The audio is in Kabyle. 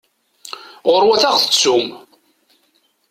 Ɣuṛwet ad aɣ-tettum!